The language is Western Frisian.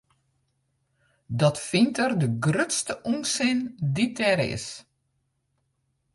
Dat fynt er de grutste ûnsin dy't der is.